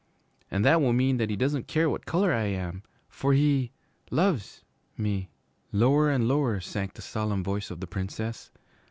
And that will mean that he doesn't care what color I am, for he loves me.' Lower and lower sank the solemn voice of the Princess.